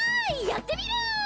やってみる！